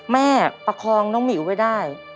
แม่ประคองน้องหมิวไม่ได้